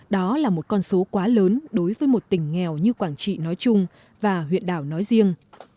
đó là một con số quá lớn đối với một tỉnh nghèo như quảng trị nói chung và huyện đảo nói riêng